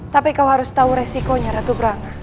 tapi kau harus tahu resikonya ratu praker